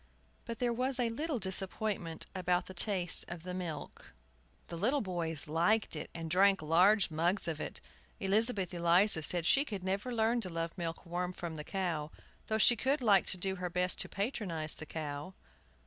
But there was a little disappointment about the taste of the milk. The little boys liked it, and drank large mugs of it. Elizabeth Eliza said she could never learn to love milk warm from the cow, though she would like to do her best to patronize the cow.